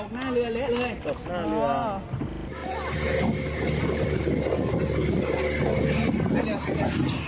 หน้าเรือเละเลย